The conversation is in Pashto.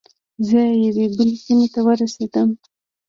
زه یوې بلې سیمې ته ورسیدم.